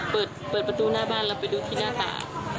เปิดประตูหน้าบ้านเราไปดูที่หน้าตา